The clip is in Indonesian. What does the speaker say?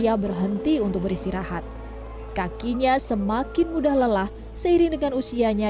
dan berhenti untuk beristirahat kakinya semakin mudah lelah seiring dengan usianya